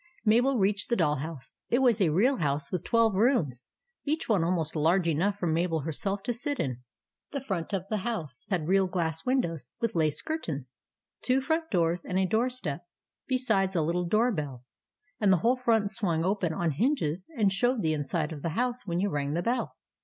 Mabel reached the doll house. It was a real house with twelve rooms, each one almost large enough for Mabel herself to sit in. The front of the house had real glass windows with lace curtains, two front doors and a door step, besides a little door bell ; and the whole front swung open on hinges and showed the inside of the house when you rang the bell.